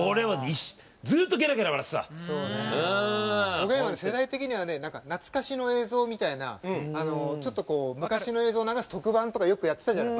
おげんは世代的にはね何か懐かしの映像みたいなちょっとこう昔の映像を流す特番とかよくやってたじゃない。